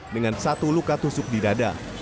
dengan satu luka tusuk di dada